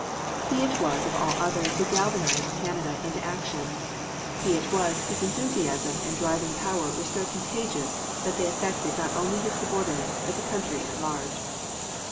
He it was of all others who galvanized Canada into action; he it was whose enthusiasm and driving power were so contagious that they affected not only his subordinates but the country at large.